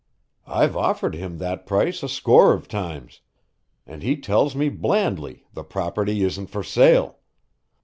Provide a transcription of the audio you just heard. "I've offered him that price a score of times, and he tells me blandly the property isn't for sale.